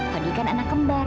fadil kan anak kembar